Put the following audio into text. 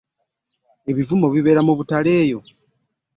Ebivumo bibeera mu butale eyo